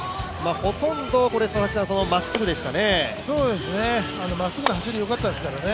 ほとんどまっすぐでしたね。